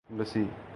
گسی